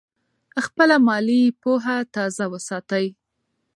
خپله مالي پوهه تازه وساتئ.